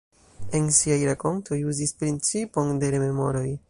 En siaj rakontoj uzis principon de rememoroj.